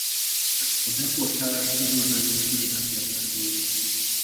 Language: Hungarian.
A deportálást körülbelül fő nem élte túl.